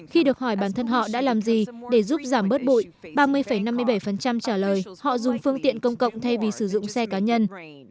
khi được hỏi bản thân họ đã làm gì để giúp giảm bớt bụi ba mươi năm mươi bảy trả lời họ dùng phương tiện công cộng thay vì sử dụng xe cá nhân